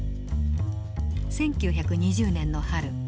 １９２０年の春。